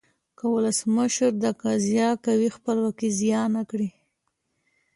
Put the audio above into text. که ولسمشر د قضایه قوې خپلواکي زیانه کړي.